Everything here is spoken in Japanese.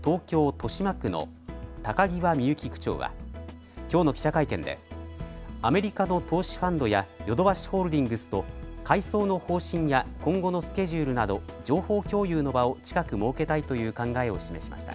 豊島区の高際みゆき区長はきょうの記者会見でアメリカの投資ファンドやヨドバシホールディングスと改装の方針や今後のスケジュールなど情報共有の場を近く設けたいという考えを示しました。